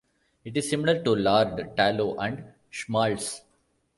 It is similar to lard, tallow and schmaltz.